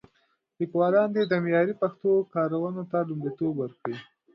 لیکوالان دې د معیاري پښتو کارونو ته لومړیتوب ورکړي.